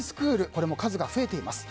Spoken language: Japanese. これも数が増えています。